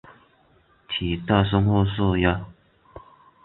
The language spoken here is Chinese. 体大深褐色鸭。